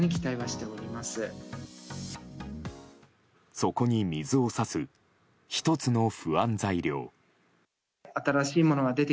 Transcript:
そこに水を差す１つの不安材料。